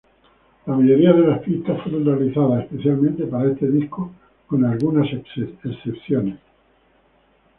La mayoría de las pistas fueron realizadas especialmente para este disco, con algunas excepciones.